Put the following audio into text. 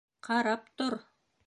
Ҡарап тор!